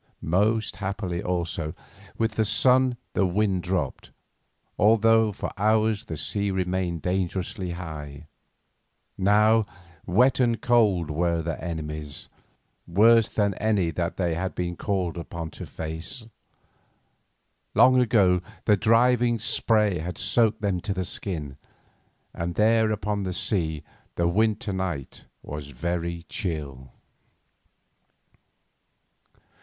Most happily, also, with the sun the wind dropped, although for hours the sea remained dangerously high. Now wet and cold were their enemies, worse than any that they had been called upon to face. Long ago the driving spray had soaked them to the skin, and there upon the sea the winter night was very chill.